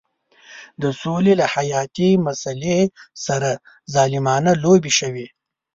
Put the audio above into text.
د سولې له حیاتي مسلې سره ظالمانه لوبې شوې.